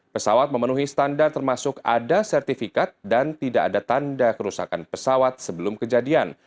pesawat memenuhi standar termasuk ada sertifikat dan tidak ada tanda kerusakan pesawat sebelum kejadian